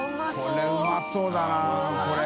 海うまそうだなこれ。